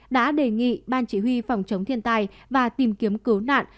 đã đề nghị ban chỉ huy phòng chống thiên tai và tìm kiếm cứu nạn